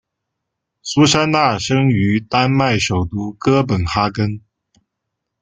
苏珊娜生于丹麦首都哥本哈根。